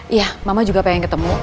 iya mama juga pengen ketemu